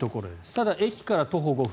ただ、駅から徒歩５分。